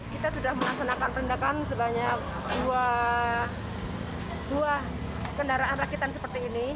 kita sudah melaksanakan perendakan sebanyak dua kendaraan rakitan seperti ini